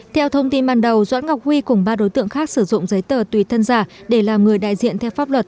theo thông tin ban đầu doãn ngọc huy cùng ba đối tượng khác sử dụng giấy tờ tùy thân giả để làm người đại diện theo pháp luật